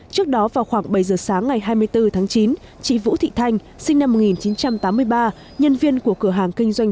trước đó vào khoảng bảy giờ sáng ngày hai mươi bốn tháng chín chị vũ thị thanh sinh năm một nghìn chín trăm tám mươi ba nhân viên của cửa hàng kinh doanh